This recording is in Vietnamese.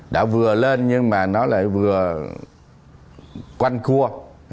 đã vừa lên nhưng mà nó lại vừa quanh cua